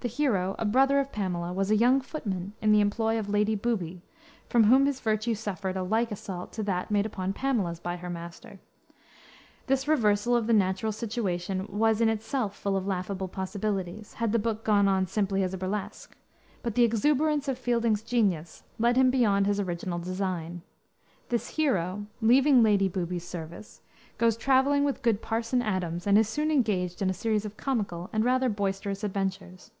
The hero, a brother of Pamela, was a young footman in the employ of Lady Booby, from whom his virtue suffered a like assault to that made upon Pamela's by her master. This reversal of the natural situation was in itself full of laughable possibilities, had the book gone on simply as a burlesque. But the exuberance of Fielding's genius led him beyond his original design. This hero, leaving Lady Booby's service, goes traveling with good Parson Adams, and is soon engaged in a series of comical and rather boisterous adventures.